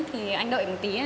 thì anh đợi một tí á